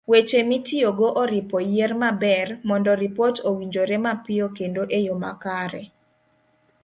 Weche mitiyogo oripo yier maber, mondo ripot owinjore mapiyo kendo eyo makare.